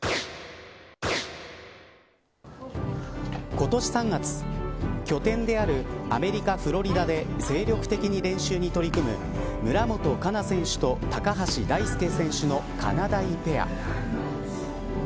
今年３月拠点であるアメリカ、フロリダで精力的に練習に取り組む村元哉中選手と高橋大輔選手のかなだいペア。